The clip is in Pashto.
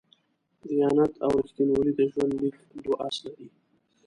دیانت او رښتینولي د ژوند لیک دوه اصله دي.